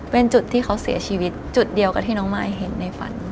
เป็นจุดที่เขาเสียชีวิตจุดเดียวกับที่น้องมายเห็นในฝัน